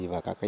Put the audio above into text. và các cái